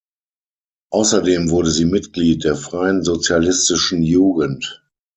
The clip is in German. Außerdem wurde sie Mitglied der Freien Sozialistischen Jugend.